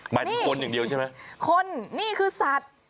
หมายถึงคนอย่างเดียวใช่ไหมคนนี่คือสัตว์